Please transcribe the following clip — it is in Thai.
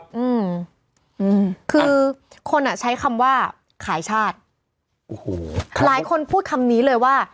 อืมคือคนอ่ะใช้คำว่าขายชาติโอ้โหหลายคนพูดคำนี้เลยว่า